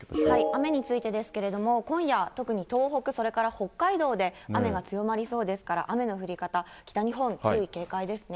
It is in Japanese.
雨についてですけれども、今夜、特に東北、それから北海道で雨が強まりそうですから、雨の降り方、北日本、注意、警戒ですね。